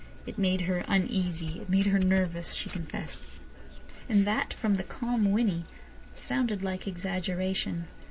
It made her uneasy; it made her nervous, she confessed. And that from the calm Winnie sounded like exaggeration.